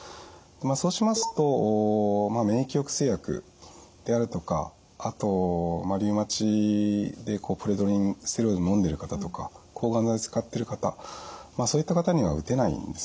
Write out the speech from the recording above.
そうしますと免疫抑制薬であるとかあとリウマチでプレドニンステロイドのんでる方とか抗がん剤使っている方そういった方には打てないんですね。